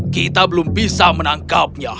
kita belum bisa menangkapnya